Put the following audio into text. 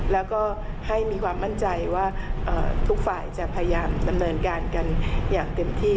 แล้วก็ให้มีความมั่นใจว่าทุกฝ่ายจะพยายามดำเนินการกันอย่างเต็มที่